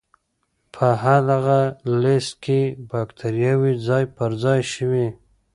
په هغه لست کې بکتریاوې ځای په ځای شوې.